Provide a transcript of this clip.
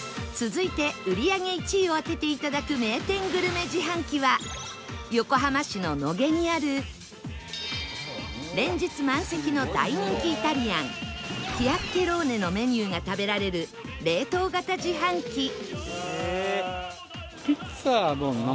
続いて売り上げ１位を当てて頂く名店グルメ自販機は横浜市の野毛にある連日満席の大人気イタリアンキアッキェローネのメニューが食べられる冷凍型自販機